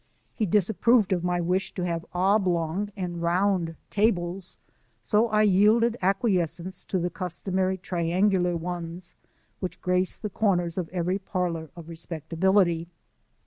He disapproved of my wish to have oblong and round tables, so I yielded acquiescence to the customary triangular ones which grace the comers of every parlor of respectability.